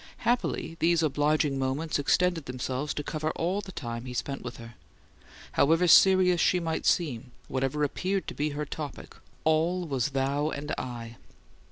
Happily, these obliging moments extended themselves to cover all the time he spent with her. However serious she might seem, whatever appeared to be her topic, all was thou and I.